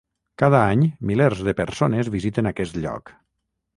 Cada any milers de persones visiten aquest lloc.